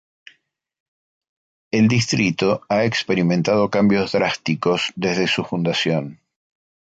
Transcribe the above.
El distrito ha experimentado cambios drásticos desde su fundación.